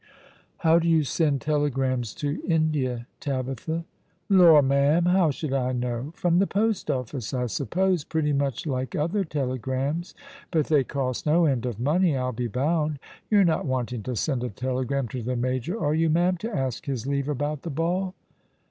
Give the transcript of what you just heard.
" How do you send telegrams to India, Tabitha ?"" Lor, ma'am, how should I know ? From the post office, I suppose, pretty much like other telegrams. But they cost no end of money, I'll be bound. You're not wanting to send a telegram to the major, are you, ma'am, to ask his leavG about the ball?"